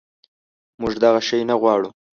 منږ دغه شی نه غواړو